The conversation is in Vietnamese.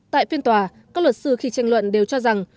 tại phiên tòa các luật sư khi tranh luận đều cho rằng